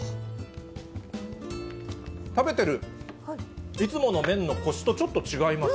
食べてるいつもの麺のこしとちょっと違います。